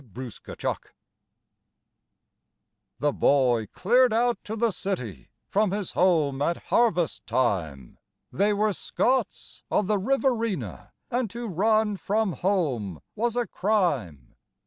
9 Autoplay The boy cleared out to the city from his home at harvest time They were Scots of the Riverina, and to run from home was a crime.